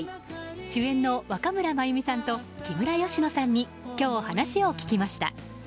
主演の若村麻由美さんと木村佳乃さんに今日、話を聞きました。